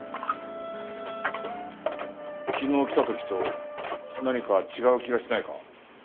昨日来た時と何か違う気がしないか？